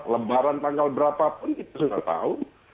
lebaran tanggal berapa pun kita sudah tahu